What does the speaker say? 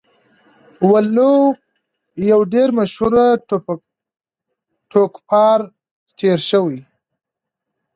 وَلُو يو ډير مشهور ټوکپار تير شوی